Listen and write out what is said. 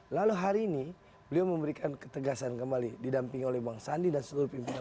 lalu hari ini beliau memberikan ketegasan kembali didampingi oleh bang sandi dan seluruh pimpinan